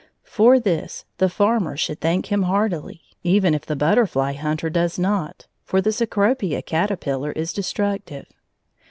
For this the farmer should thank him heartily, even if the butterfly hunter does not, for the cecropia caterpillar is destructive.